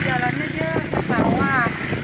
jalannya dia ke sawah